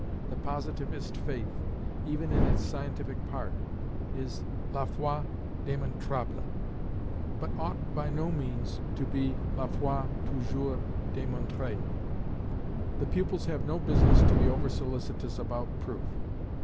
The Positivist faith, even in its scientific part, is la foi démontrable, but ought by no means to be la foi toujours démontrée. The pupils have no business to be over solicitous about proof.